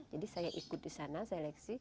jadi saya ikut di sana seleksi